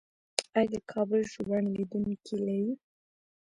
آیا د کابل ژوبڼ لیدونکي لري؟